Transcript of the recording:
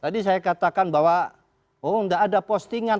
tadi saya katakan bahwa oh tidak ada postingan